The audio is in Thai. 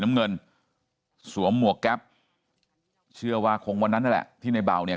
น้ำเงินสวมหมวกแก๊ปเชื่อว่าคงวันนั้นนั่นแหละที่ในเบาเนี่ย